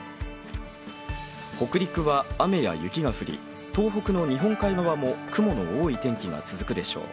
北陸は雨や雪が降り、東北の日本海側も雲の多い天気が続くでしょう。